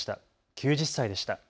９０歳でした。